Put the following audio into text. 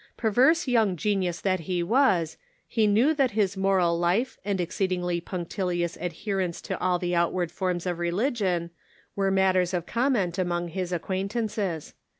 Perverse young genius that he was, he knew that his moral life and exceedingly punctilious adherence to all the outward forms of religion were matters of comment among his acquaint ances.